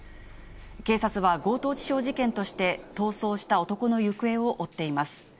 警察は強盗致傷事件として、逃走した男の行方を追っています。